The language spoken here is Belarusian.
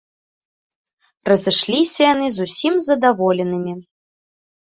Разышліся яны зусім задаволенымі.